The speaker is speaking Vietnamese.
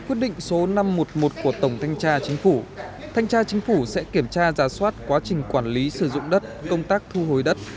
các nhà chính phủ sẽ kiểm tra ra soát quá trình quản lý sử dụng đất công tác thu hồi đất